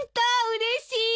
うれしい！